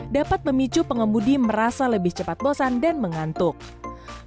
dapat memicu pengemudi merasa lebih cepat bosan dan memalukan